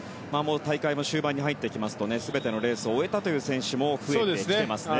大会も終盤に入ってきますと全てのレースを終えたという選手も増えてきてますね。